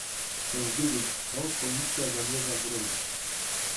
Chcę wiedzieć, co Komisja zamierza zrobić